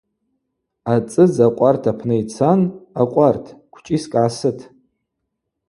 Ацӏыдз акъварт апны йцан – Акъварт, квчӏискӏ гӏасыт.